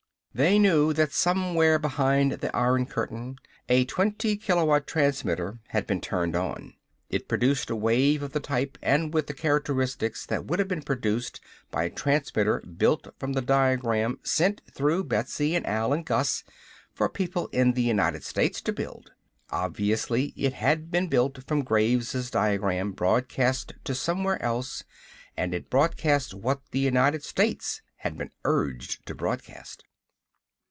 They knew that somewhere behind the Iron Curtain a twenty kilowatt transmitter had been turned on. It produced a wave of the type and with the characteristics that would have been produced by a transmitter built from the diagram sent through Betsy and Al and Gus for people in the United States to build. Obviously, it had been built from Graves' diagram broadcast to somewhere else and it broadcast what the United States had been urged to broadcast.